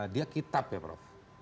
dia kitab ya prof